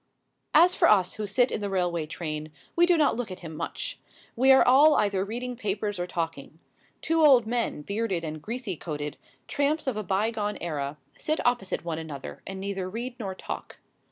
As for us who sit in the railway train, we do not look at him much. We are all either reading papers or talking. Two old men, bearded and greasy coated, tramps of a bygone era, sit opposite one another and neither read nor talk.